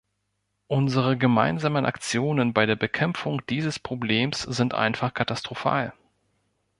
Unsere gemeinsamen Aktionen bei der Bekämpfung dieses Problems sind einfach katastrophal.